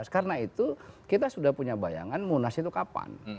karena itu kita sudah punya bayangan munas itu kapan